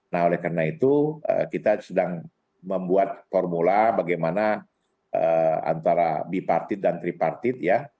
nah oleh karena itu kita sedang membuat formula bagaimana antara bipartit dan tripartit ya